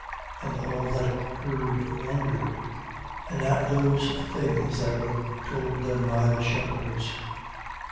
2:18. And all that heard wondered: and at those things that were told them by the shepherds.